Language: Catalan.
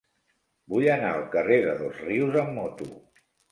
Vull anar al carrer de Dosrius amb moto.